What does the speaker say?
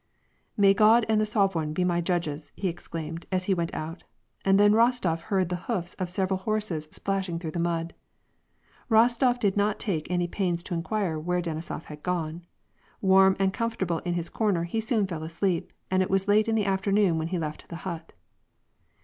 " May God and the soveweign be my judges !" he exclaimed as he went out, and then Rostof heard the hoofs of several horses splashing through the mud. Rostof did not take any pains to inquire where Denisof had gone. Warm and com fortable in his corner, he soon fell asleep, and it was late in the afternoon when he left the hut.